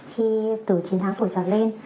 khi từ chín tháng tuổi trở lên